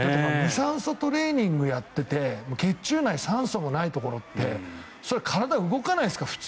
酸素トレーニングもやってて血中内酸素もないところって体動かないですから、普通。